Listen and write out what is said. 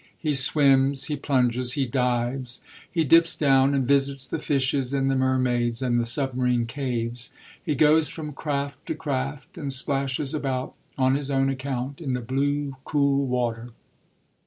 He swims, he plunges, he dives, he dips down and visits the fishes and the mermaids and the submarine caves; he goes from craft to craft and splashes about, on his own account, in the blue, cool water.